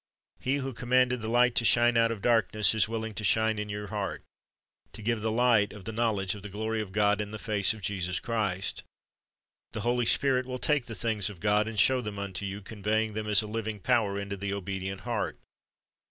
He who commanded the light to shine out of darkness is willing to shine in your heart, to give the light of the knowledge of the glory of God in the face of Jesus Christ. The Holy Spirit will take the things of God and show them unto you, conveying them as a living power into the obedient heart.